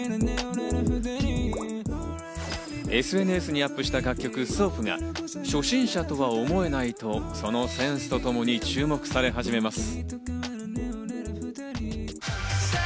ＳＮＳにアップした楽曲『ｓｏａｐ．』が初心者とは思えないと、そのセンスとともに注目され始めます。